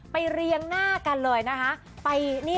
เรียงหน้ากันเลยนะคะ